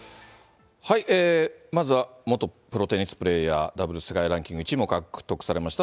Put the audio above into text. まずは元プロテニスプレーヤー、ダブルス世界ランキング１位も獲得されました